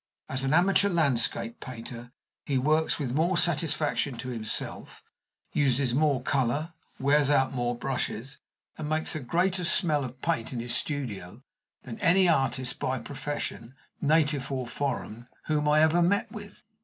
As an amateur landscape painter, he works with more satisfaction to himself, uses more color, wears out more brushes, and makes a greater smell of paint in his studio than any artist by profession, native or foreign, whom I ever met with.